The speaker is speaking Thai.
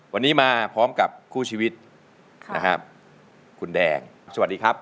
วันนี้มาพร้อมกับคู่ชีวิตนะครับคุณแดงสวัสดีครับ